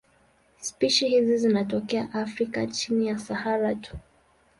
Spishi hizi zinatokea Afrika chini ya Sahara tu.